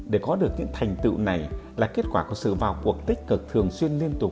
để có được những thành tựu này là kết quả của sự vào cuộc tích cực thường xuyên liên tục